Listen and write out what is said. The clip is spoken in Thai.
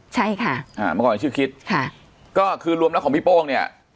ใช่ค่ะอ่าเมื่อก่อนชื่อคิดค่ะก็คือรวมแล้วของพี่โป้งเนี่ย